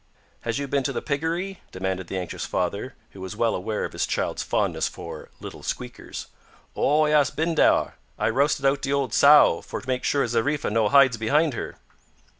"Has you been to the piggery?" demanded the anxious father, who was well aware of his child's fondness for "little squeakers." "Oh, yes; bin dar. I rousted out de ole sow for make sure Zariffa no hides behind her."